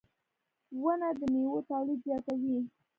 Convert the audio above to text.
• ونه د میوو تولید زیاتوي.